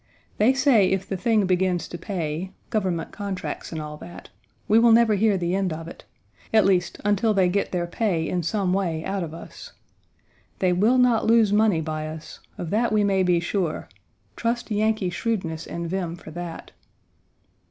They say if the thing begins to pay government contracts, and all that we will never hear the end of it, at least, until they get their pay in some way out of us. They will not lose money by us. Of that we may be sure. Trust Yankee shrewdness and vim for that.